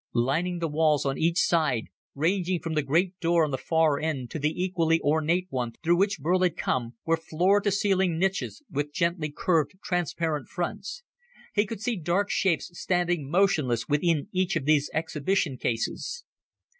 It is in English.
Lining the walls on each side, ranging from the great door on the far end to the equally ornate one through which Burl had come, were floor to ceiling niches with gently curved, transparent fronts. He could see dark shapes standing motionless within each of these exhibition cases.